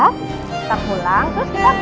kita pulang terus kita